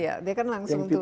iya dia kan langsung turun